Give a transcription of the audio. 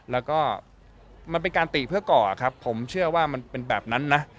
แล้วก็มันเป็นการติเพื่อก่อครับผมเชื่อว่ามันเป็นแบบนั้นนะ